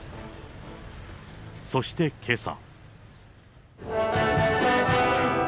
そしてけさ。